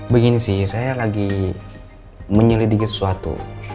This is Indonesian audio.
begini sih saya lagi menyelidiki sesuatu